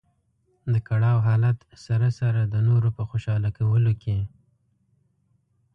د کړاو حالت سره سره د نورو په خوشاله کولو کې.